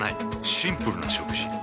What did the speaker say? シンプルな食事。